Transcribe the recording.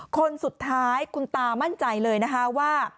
คนสุดท้ายคุณตามั่นใจเลยนะคะว่า